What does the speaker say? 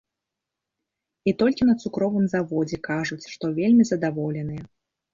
І толькі на цукровым заводзе кажуць, што вельмі задаволеныя.